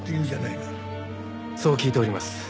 そう聞いております。